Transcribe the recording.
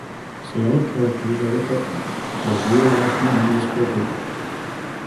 Sale of characters or equipment for real life money is forbidden.